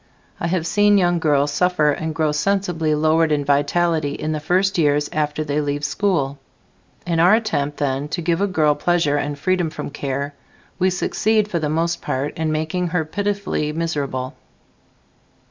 I have seen young girls suffer and grow sensibly lowered in vitality in the first years after they leave school. In our attempt then to give a girl pleasure and freedom from care we succeed, for the most part, in making her pitifully miserable.